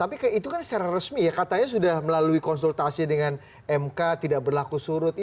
tapi itu kan secara resmi ya katanya sudah melalui konsultasi dengan mk tidak berlaku surut